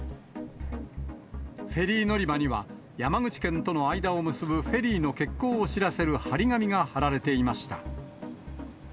フェリー乗り場には、山口県との間を結ぶフェリーの欠航を知らせる貼り紙が貼られていました。